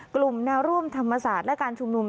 กลุ่มแนวร่วมธรรมศาสตร์และการชุมนุม